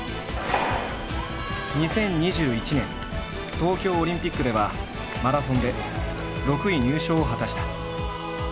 ２０２１年東京オリンピックではマラソンで６位入賞を果たした。